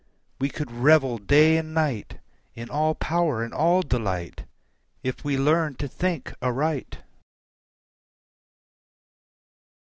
We could revel day and night In all power and all delight If we learn to think aright.